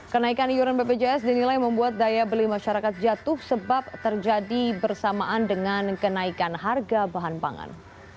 kenaikan iuran bpjs dinilai membuat daya beli masyarakat jatuh sebab terjadi bersamaan dengan kenaikan harga bahan pangan